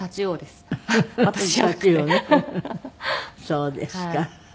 そうですか。